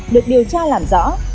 được điều tra làm rõ